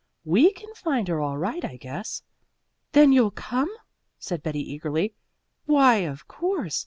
We can find her all right, I guess." "Then you'll come?" said Betty eagerly. "Why, of course.